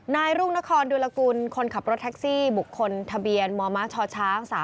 รุ่งนครดุลกุลคนขับรถแท็กซี่บุคคลทะเบียนมมชช๓๔